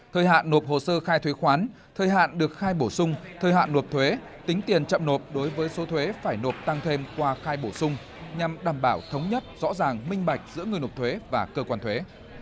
thời hạn nộp hồ sơ khai thuế khoán thời hạn được khai bổ sung thời hạn nộp thuế tính tiền chậm nộp đối với số thuế phải nộp tăng thêm qua khai bổ sung nhằm đảm bảo thống nhất rõ ràng minh bạch giữa người nộp thuế và cơ quan thuế